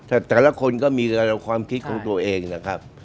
แต่แต่ละคนก็มีความคิดของตัวเองนะครับ